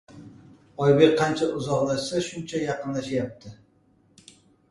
Oybek qancha uzoqlashsa shuncha yaqinlashyapti.